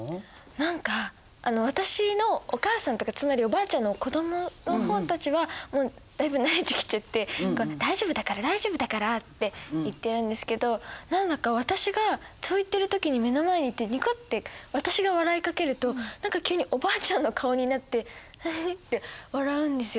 何か私のお母さんとかつまりおばあちゃんの子どもの方たちはだいぶ慣れてきちゃって「大丈夫だから大丈夫だから」って言ってるんですけど何だか私がそう言ってる時に目の前に行ってニコッて私が笑いかけると何か急におばあちゃんの顔になってフフッて笑うんですよ。